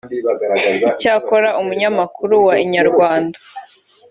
icyakora umunyamakuru wa Inyarwanda